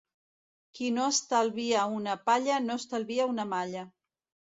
Qui no estalvia una palla no estalvia una malla.